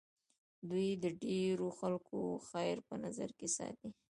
دوی د ډېرو خلکو خیر په نظر کې ساتي.